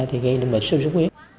thì gây đến bệnh xuất xuất huyết